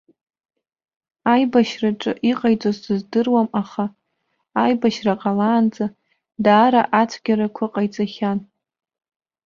Аибашьраҿы иҟаиҵоз сыздыруам, аха аибашьра ҟалаанӡа, даара ацәгьарақәа ҟаиҵахьан.